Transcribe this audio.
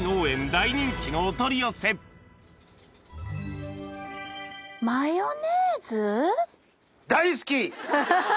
大人気のお取り寄せハハハ！